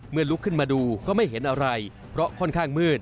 ลุกขึ้นมาดูก็ไม่เห็นอะไรเพราะค่อนข้างมืด